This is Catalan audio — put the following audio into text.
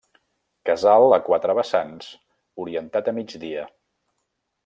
Casal a quatre vessants, orientat a migdia.